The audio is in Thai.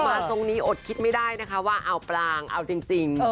มาตรงนี้อดคิดไม่ได้นะคะว่าเอาปลางเอาจริง